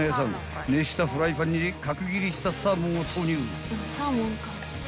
［熱したフライパンに角切りしたサーモンを投入］